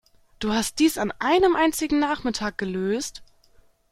Du hast dies an einem einzigen Nachmittag gelöst?